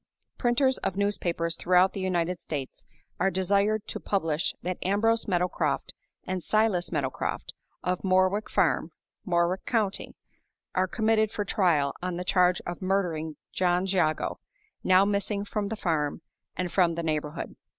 Printers of newspapers throughout the United States are desired to publish that Ambrose Meadowcroft and Silas Meadowcroft, of Morwick Farm, Morwick County, are committed for trial on the charge of murdering John Jago, now missing from the farm and from the neighborhood.